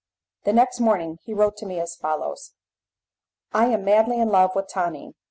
The next morning he wrote to me as follows: "I am madly in love with Tonine.